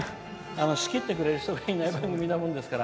仕切ってくれる人がなにぶんいないもんですから。